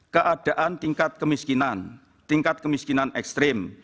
keadaan tingkat kemiskinan tingkat kemiskinan ekstrim